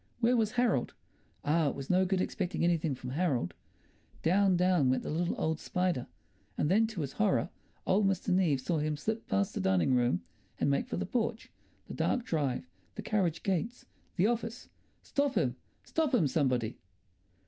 Where was Harold? Ah, it was no good expecting anything from Harold. Down, down went the little old spider, and then, to his horror, old Mr. Neave saw him slip past the dining room and make for the porch, the dark drive, the carriage gates, the office. Stop him, stop him, somebody!